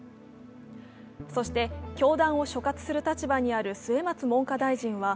そして、教団を所轄する立場にある末松文科大臣は